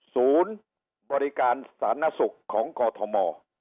ศูนย์บริการสถานศุกร์ของกอทม